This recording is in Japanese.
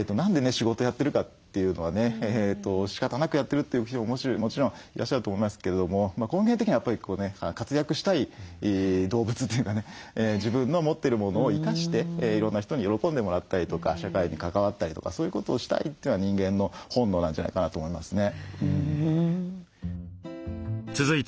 仕事やってるかというのはねしかたなくやってるって人ももちろんいらっしゃると思いますけれども根源的にはやっぱり活躍したい動物というかね自分の持ってるものを生かしていろんな人に喜んでもらったりとか社会に関わったりとかそういうことをしたいというのは人間の本能なんじゃないかなと思いますね。